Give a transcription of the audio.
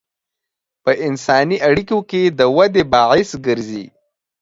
په انساني اړیکو کې د ودې باعث ګرځي.